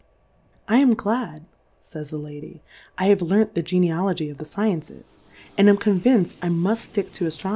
I am glad, fays the Lady, I have learnt the Genealogy of the Sciences, and am convinced 1 mull: ftick to Aftro.